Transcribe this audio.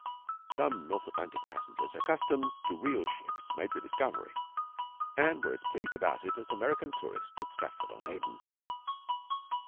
Some North Atlantic passengers accustomed to real ships made the discovery, and were as pleased about it as American tourists at Stratford on Avon.